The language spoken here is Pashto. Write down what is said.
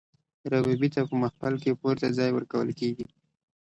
ربابي ته په محفل کې پورته ځای ورکول کیږي.